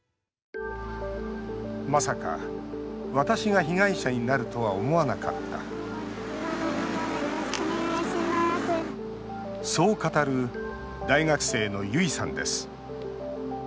まさか、私が被害者になるとは思わなかったそう語る大学生の結さんです。